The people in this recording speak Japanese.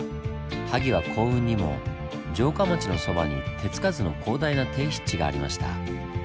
萩は幸運にも城下町のそばに手付かずの広大な低湿地がありました。